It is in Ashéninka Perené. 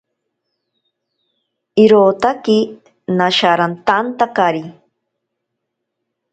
Irotaki nasharantantakari.